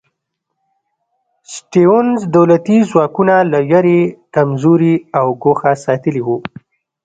سټیونز دولتي ځواکونه له وېرې کمزوري او ګوښه ساتلي وو.